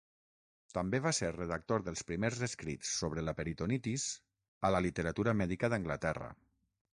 També va ser redactor dels primers escrits sobre la peritonitis a la literatura mèdica d'Anglaterra.